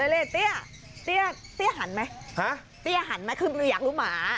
นี่เตี้ยเตี้ยหันไหมเตี้ยหันไหมคืออยากรู้หมา